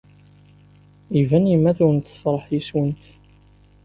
Iban yemma-twent tefṛeḥ yes-went.